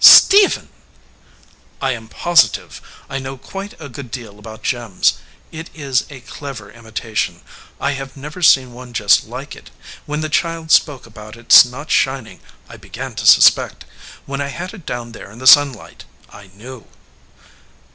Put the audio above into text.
"Stephen!" "I am positive. I know quite a good deal about gems. It is a clever imitation; I have never seen one just like it. When the child spoke about its not shining I began to suspect. When I had it down there in the sunlight, I knew."